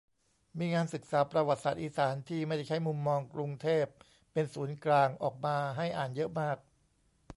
มีงานศึกษาประวัติศาสตร์อีสาน ที่ไม่ได้ใช้มุมมองกรุงเทพเป็นศูนย์กลาง ออกมาให้อ่านเยอะมาก